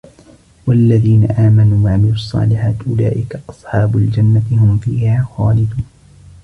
والذين آمنوا وعملوا الصالحات أولئك أصحاب الجنة هم فيها خالدون